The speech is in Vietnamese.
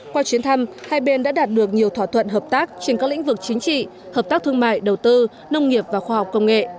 qua chuyến thăm hai bên đã đạt được nhiều thỏa thuận hợp tác trên các lĩnh vực chính trị hợp tác thương mại đầu tư nông nghiệp và khoa học công nghệ